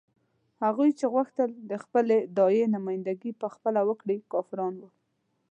هغوی چې غوښتل یې د خپلې داعیې نمايندګي په خپله وکړي کافران وو.